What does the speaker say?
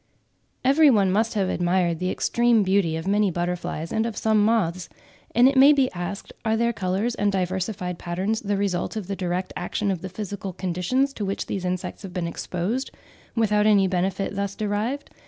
Every one must have admired the extreme beauty of many butterflies and of some moths; and it may be asked, are their colours and diversified patterns the result of the direct action of the physical conditions to which these insects have been exposed, without any benefit being thus derived?